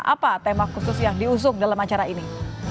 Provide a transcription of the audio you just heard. apa tema khusus yang diusung dalam acara ini